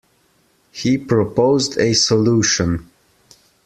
He proposed a solution.